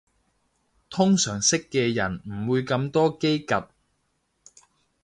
通常識嘅人唔會咁多嘰趷